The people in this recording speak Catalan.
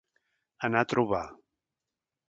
Anar a trobar.